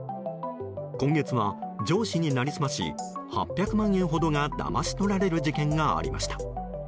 今月は上司に成り済まし８００万円ほどがだまし取られる事件がありました。